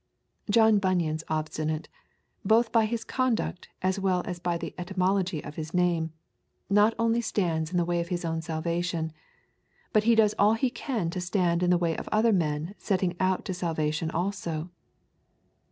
John Bunyan's Obstinate, both by his conduct as well as by the etymology of his name, not only stands in the way of his own salvation, but he does all he can to stand in the way of other men setting out to salvation also.